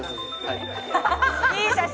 「いい写真！」